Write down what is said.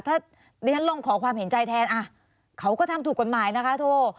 ถ้าดิฉันลองขอความเห็นใจแทนเขาก็ทำถูกกฎหมายนะคะโทร